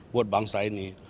buat bangsa ini